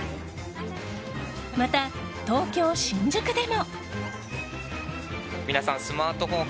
また、東京・新宿でも。